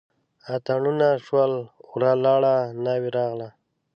اتڼونه شول ورا لاړه ناوې راغله.